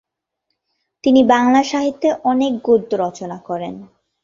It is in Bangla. তিনি বাংলা সাহিত্যে অনেক গদ্য রচনা করেন।